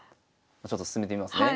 ちょっと進めてみますね。